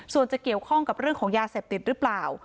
ส่วนจะเกี่ยวข้องกับเรื่องของยาเสพติดหรือเปล่า